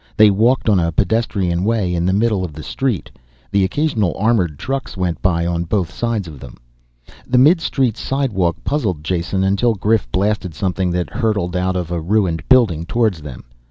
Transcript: They walked on a pedestrian way in the middle of the street. The occasional armored trucks went by on both sides of them. The midstreet sidewalk puzzled Jason until Grif blasted something that hurtled out of a ruined building towards them.